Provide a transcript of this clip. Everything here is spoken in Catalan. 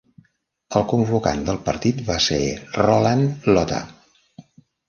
El convocant del partit va ser Roland Lotha.